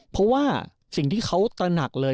เพราะว่าสิ่งที่เขาตระหนักเลย